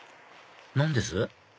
何です？